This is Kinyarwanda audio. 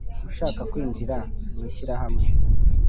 Ushaka kwinjira mu ishyirahamwe